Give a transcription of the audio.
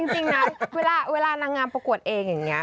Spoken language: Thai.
จริงนะเวลานางงามประกวดเองอย่างนี้